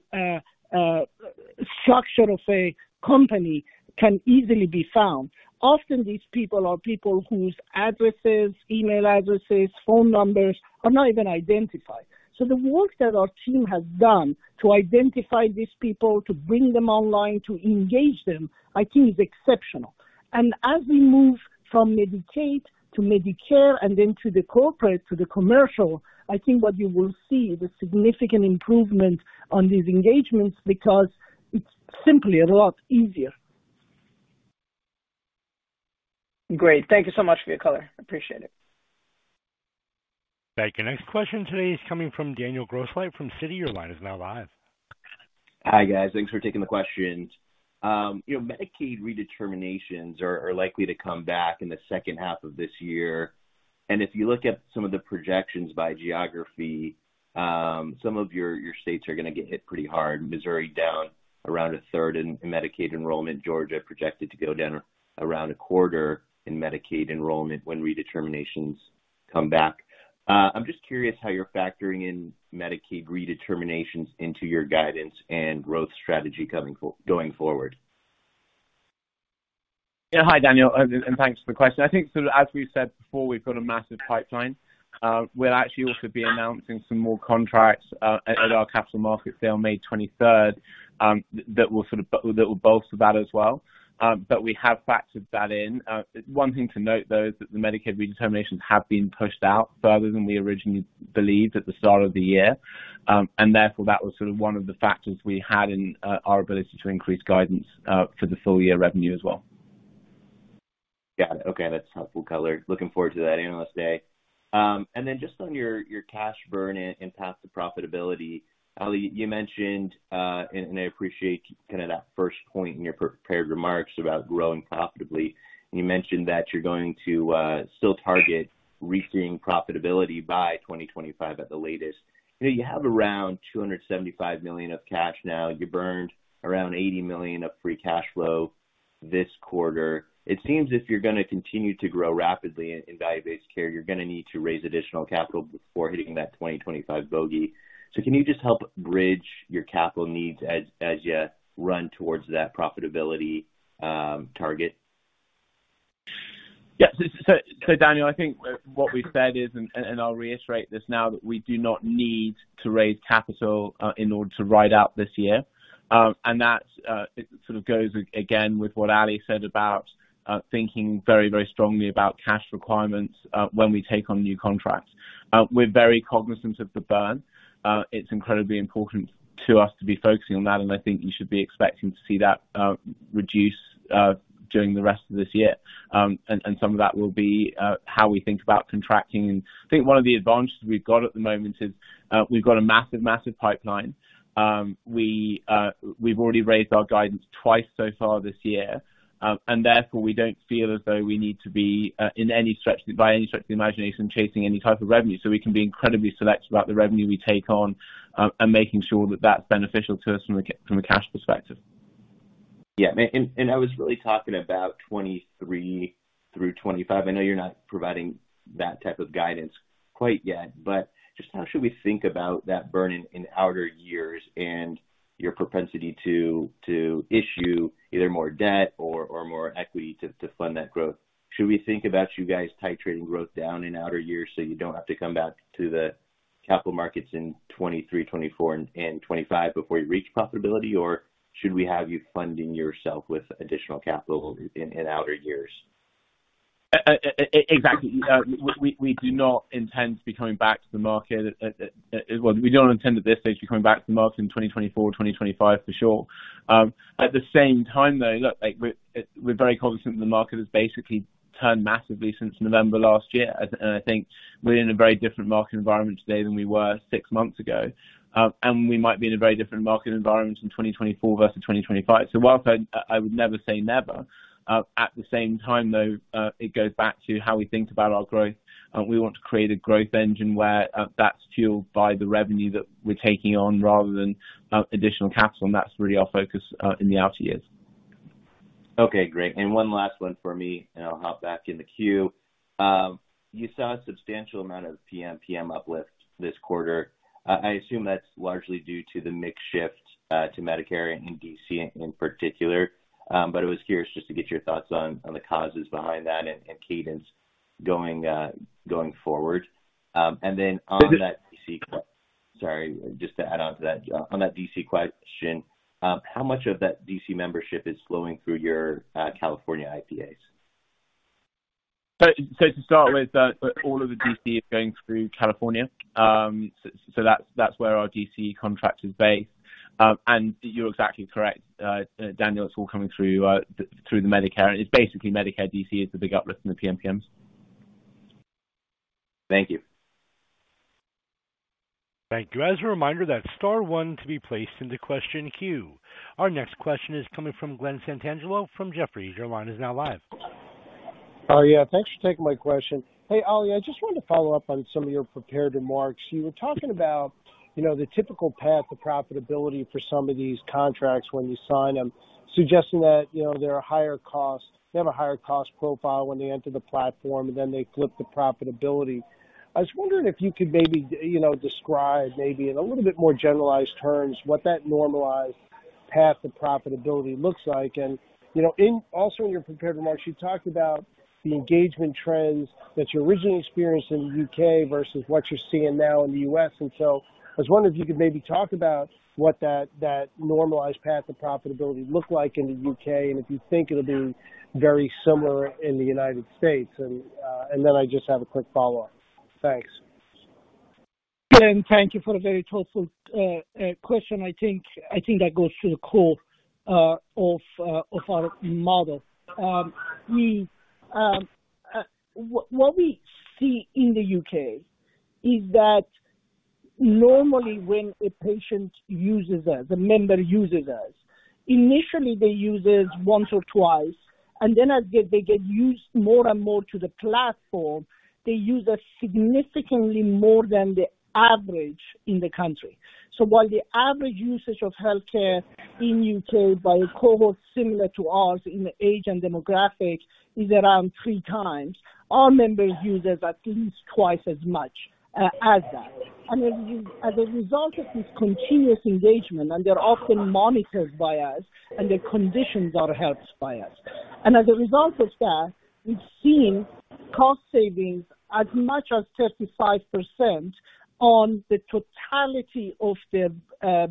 structure of a company can easily be found. Often these people are people whose addresses, email addresses, phone numbers are not even identified. So the work that our team has done to identify these people, to bring them online, to engage them, I think is exceptional. As we move from Medicaid to Medicare and then to the corporate, to the commercial, I think what you will see is a significant improvement on these engagements because it's simply a lot easier. Great. Thank you so much for your color. I appreciate it. Thank you. Next question today is coming from Daniel Grosslight from Citi. Your line is now live. Hi, guys. Thanks for taking the questions. You know, Medicaid redeterminations are likely to come back in the second half of this year. If you look at some of the projections by geography, some of your states are gonna get hit pretty hard. Missouri down around a third in Medicaid enrollment. Georgia projected to go down around a quarter in Medicaid enrollment when redeterminations come back. I'm just curious how you're factoring in Medicaid redeterminations into your guidance and growth strategy going forward. Yeah. Hi, Daniel, and thanks for the question. I think sort of as we've said before, we've got a massive pipeline. We'll actually also be announcing some more contracts at our Capital Markets Day on May 23rd that will bolster that as well. We have factored that in. One thing to note, though, is that the Medicaid redeterminations have been pushed out further than we originally believed at the start of the year. Therefore, that was sort of one of the factors we had in our ability to increase guidance for the full year revenue as well. Yeah. Okay. That's helpful color. Looking forward to that Analyst Day. Just on your cash burn and path to profitability. Ali, you mentioned and I appreciate kinda that first point in your prepared remarks about growing profitably. You mentioned that you're going to still target reaching profitability by 2025 at the latest. You know, you have around $275 million of cash now. You burned around $80 million of free cash flow this quarter. It seems if you're gonna continue to grow rapidly in value-based care, you're gonna need to raise additional capital before hitting that 2025 bogey. Can you just help bridge your capital needs as you run towards that profitability target? Yeah. Daniel, I think what we've said is, I'll reiterate this now, that we do not need to raise capital in order to ride out this year. That it sort of goes again with what Ali said about thinking very, very strongly about cash requirements when we take on new contracts. We're very cognizant of the burn. It's incredibly important to us to be focusing on that, and I think you should be expecting to see that reduce during the rest of this year. Some of that will be how we think about contracting. I think one of the advantages we've got at the moment is we've got a massive pipeline. We've already raised our guidance twice so far this year. Therefore, we don't feel as though we need to be by any stretch of the imagination chasing any type of revenue. We can be incredibly selective about the revenue we take on, and making sure that that's beneficial to us from a cash perspective. Yeah. I was really talking about 2023 through 2025. I know you're not providing that type of guidance quite yet, but just how should we think about that burden in outer years and your propensity to issue either more debt or more equity to fund that growth? Should we think about you guys titrating growth down in outer years, so you don't have to come back to the capital markets in 2023, 2024, and 2025 before you reach profitability? Or should we have you funding yourself with additional capital in outer years? Exactly. We do not intend to be coming back to the market. Well, we don't intend at this stage to be coming back to the market in 2024, 2025, for sure. At the same time, though, it looks like we're very confident the market has basically turned massively since November last year. I think we're in a very different market environment today than we were six months ago. We might be in a very different market environment in 2024 versus 2025. Whilst I would never say never, at the same time, though, it goes back to how we think about our growth. We want to create a growth engine where that's fueled by the revenue that we're taking on rather than additional capital, and that's really our focus in the outer years. Okay, great. One last one for me, and I'll hop back in the queue. You saw a substantial amount of PMPM uplift this quarter. I assume that's largely due to the mix shift to Medicare and DC in particular. I was curious just to get your thoughts on the causes behind that and cadence going forward. Sorry, just to add on to that. On that DC question, how much of that DC membership is flowing through your California IPAs? To start with, all of the DC is going through California. That's where our DC contract is based. You're exactly correct, Daniel, it's all coming through the Medicare. It's basically Medicare DC is the big uplift in the PMPMs. Thank you. Thank you. As a reminder, that's star one to be placed into question queue. Our next question is coming from Glen Santangelo from Jefferies. Your line is now live. Oh, yeah, thanks for taking my question. Hey, Ali, I just wanted to follow up on some of your prepared remarks. You were talking about, you know, the typical path to profitability for some of these contracts when you sign them, suggesting that, you know, they're higher cost. They have a higher cost profile when they enter the platform, and then they flip the profitability. I was wondering if you could maybe, you know, describe maybe in a little bit more generalized terms what that normalized path to profitability looks like? You know, also in your prepared remarks, you talked about the engagement trends that you originally experienced in the U.K. versus what you're seeing now in the U.S. I was wondering if you could maybe talk about what that normalized path to profitability looked like in the U.K., and if you think it'll be very similar in the United States. I just have a quick follow-up. Thanks. Glenn, thank you for the very thoughtful question. I think that goes to the core of our model. What we see in the U.K. is that normally when a patient uses us, the member uses us, initially, they use us once or twice, and then as they get used more and more to the platform, they use us significantly more than the average in the country. While the average usage of healthcare in the U.K. by a cohort similar to ours in the age and demographic is around 3x, our members use us at least twice as much as that. As a result of this continuous engagement, they're often monitored by us, and their conditions are helped by us. As a result of that, we've seen cost savings as much as 35% on the totality of the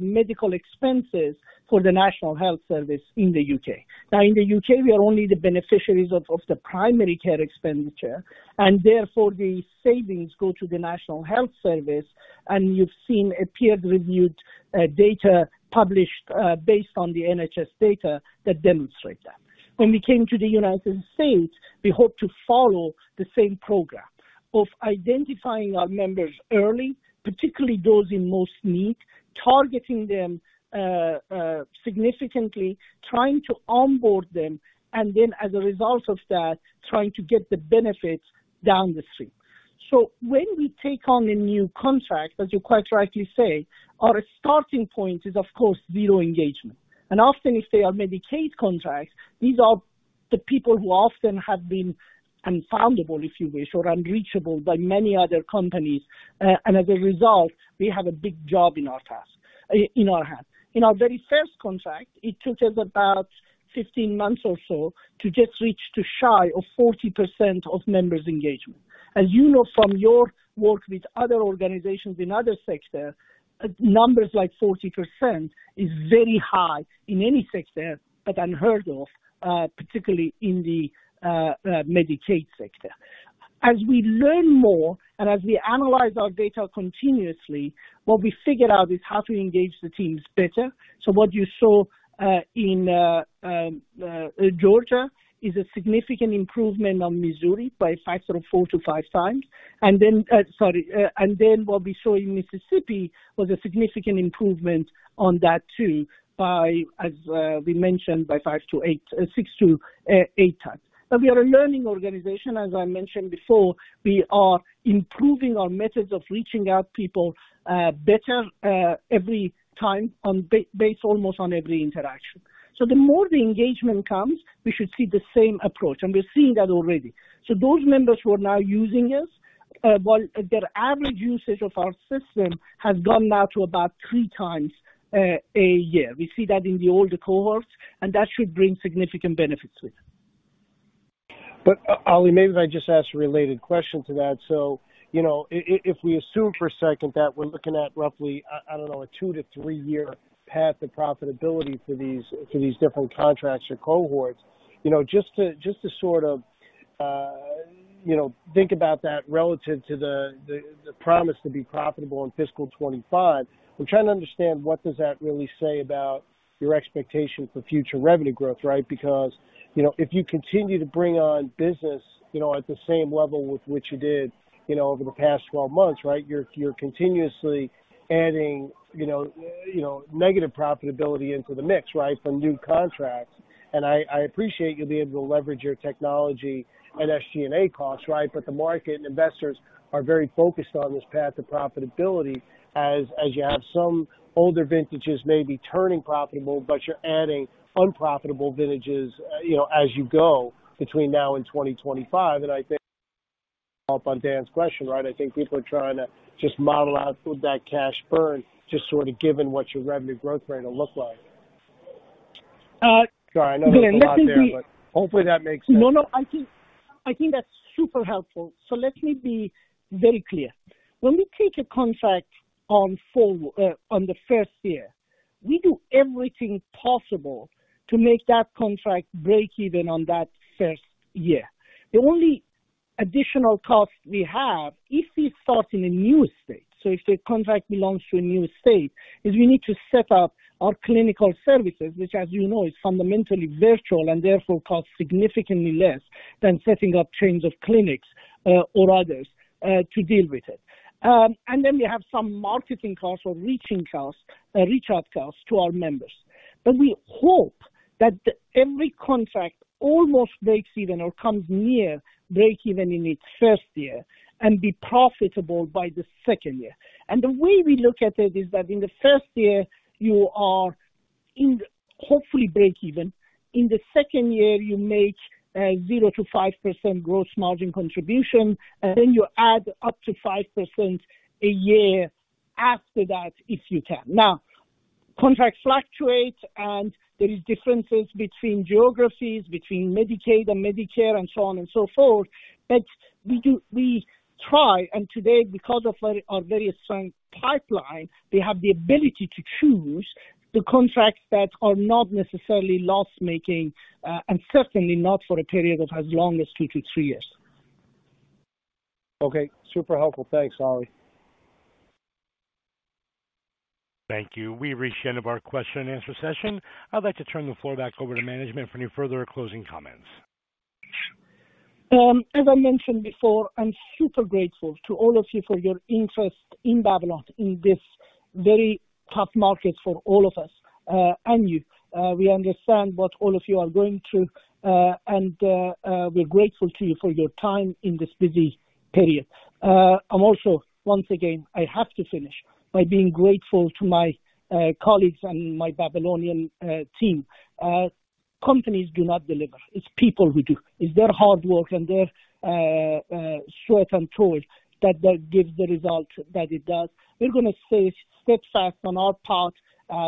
medical expenses for the National Health Service in the U.K. Now, in the U.K., we are only the beneficiaries of the primary care expenditure, and therefore the savings go to the National Health Service, and you've seen a peer-reviewed data published based on the NHS data that demonstrate that. When we came to the United States, we hope to follow the same program of identifying our members early, particularly those in most need, targeting them significantly, trying to onboard them, and then as a result of that, trying to get the benefits. Down the street. When we take on a new contract, as you quite rightly say, our starting point is, of course, zero engagement. Often, if they are Medicaid contracts, these are the people who often have been unfoundable, if you wish, or unreachable by many other companies. As a result, we have a big job on our hands. In our very first contract, it took us about 15 months or so to just reach to shy of 40% of members' engagement. As you know from your work with other organizations in other sectors, numbers like 40% is very high in any sector, but unheard of, particularly in the Medicaid sector. As we learn more and as we analyze our data continuously, what we figured out is how to engage the teams better. What you saw in Georgia is a significant improvement on Missouri by a factor of 4x-5x. Then what we saw in Mississippi was a significant improvement on that too by, as we mentioned, by 6x-8x. We are a learning organization, as I mentioned before. We are improving our methods of reaching out to people better every time based almost on every interaction. The more the engagement comes, we should see the same approach, and we're seeing that already. Those members who are now using us, well, their average usage of our system has gone now to about 3x a year. We see that in the older cohorts, and that should bring significant benefits with. Ali, may I just ask a related question to that? You know, if we assume for a second that we're looking at roughly, I don't know, a two- to three-year path to profitability for these different contracts or cohorts, you know, just to sort of think about that relative to the promise to be profitable in fiscal 2025. I'm trying to understand what does that really say about your expectation for future revenue growth, right? You know, if you continue to bring on business, you know, at the same level with which you did, you know, over the past 12 months, right? You're continuously adding, you know, negative profitability into the mix, right? From new contracts. I appreciate you'll be able to leverage your technology and SG&A costs, right? The market and investors are very focused on this path to profitability as you have some older vintages maybe turning profitable, but you're adding unprofitable vintages, you know, as you go between now and 2025. I think to follow up on Dan's question, right? I think people are trying to just model out with that cash burn, just sort of given what your revenue growth rate will look like. Uh. Sorry. I know there's a lot there, but hopefully that makes sense. No, no, I think that's super helpful. Let me be very clear. When we take a contract on the first year, we do everything possible to make that contract break even on that first year. The only additional cost we have, if it starts in a new state, so if the contract belongs to a new state, is we need to set up our clinical services, which as you know, is fundamentally virtual and therefore costs significantly less than setting up chains of clinics or others to deal with it. Then we have some marketing costs or reach-out costs to our members. We hope that every contract almost breaks even or comes near break even in its first year and be profitable by the second year. The way we look at it is that in the first year, you are hopefully break even. In the second year, you make a 0%-5% gross margin contribution, and then you add up to 5% a year after that if you can. Contracts fluctuate, and there are differences between geographies, between Medicaid and Medicare and so on and so forth. We try, and today because of our very strong pipeline, we have the ability to choose the contracts that are not necessarily loss-making, and certainly not for a period of as long as two to three years. Okay. Super helpful. Thanks, Ali. Thank you. We've reached the end of our question and answer session. I'd like to turn the floor back over to management for any further closing comments. As I mentioned before, I'm super grateful to all of you for your interest in Babylon in this very tough market for all of us, and you. We understand what all of you are going through, and we're grateful to you for your time in this busy period. I'm also, once again, I have to finish by being grateful to my colleagues and my Babylonian team. Companies do not deliver. It's people who do. It's their hard work and their sweat and toil that gives the result that it does. We're gonna stay steadfast on our part.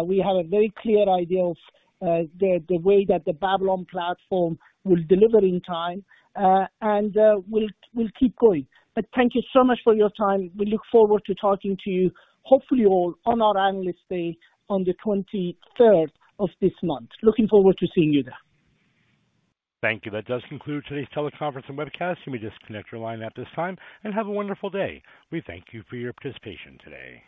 We have a very clear idea of the way that the Babylon platform will deliver in time, and we'll keep going. Thank you so much for your time. We look forward to talking to you, hopefully all on our Analyst Day on the 23rd of this month. Looking forward to seeing you there. Thank you. That does conclude today's teleconference and webcast. You may disconnect your line at this time and have a wonderful day. We thank you for your participation today.